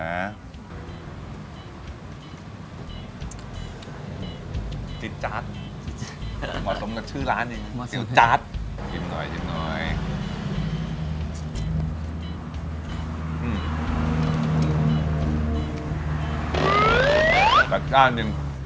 สัตว์จ้านจริง